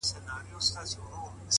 عقل له احساساتو لار جوړوي.!